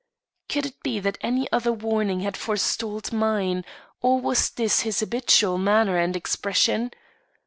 Could it be that any other warning had forestalled mine, or was this his habitual manner and expression?